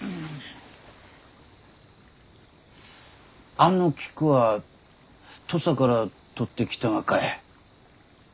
あの菊は土佐から採ってきたがかえ？